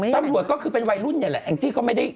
ตำรวจก็คือเป็นวัยรุ่นนี่แหละแองจี้ก็ไม่ได้